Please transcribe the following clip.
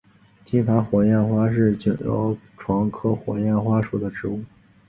金塔火焰花是爵床科火焰花属的植物。